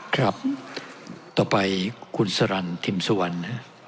ครับต่อไปคุณสรรทิมสุวรรณ